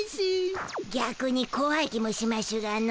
ぎゃくにこわい気もしましゅがの。